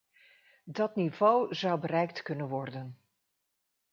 Dat niveau zou bereikt kunnen worden.